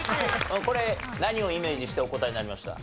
これ何をイメージしてお答えになりました？